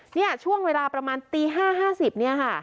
เนี่ยช่วงเวลาประมาณตี๕๕๐เนี่ยค่ะ